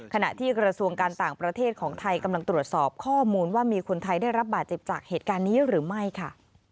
ขณะที่กระทรวงการต่างประเทศของไทยกำลังตรวจสอบข้อมูลว่ามีคนไทยได้รับบาดเจ็บจากเหตุการณ์นี้หรือไม่ค่ะ